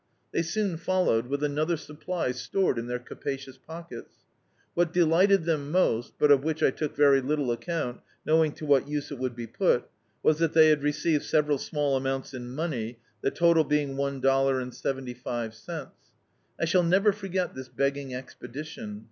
They soon fol lowed, with another supply stored in their capacious pockets. What delisted them most — but of which I took very little account, knowing to what use it would be put — ^was that they had received several small amounts in money, the total being one dollar and seventy five cents. I shall never forget this begging expedition.